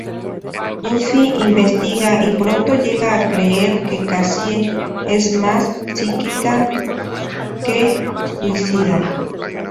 Buffy investiga, y pronto llega a creer que Cassie es más psíquica que suicida.